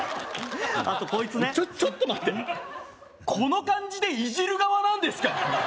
あとこいつねちょちょっと待ってこの感じでいじる側なんですか？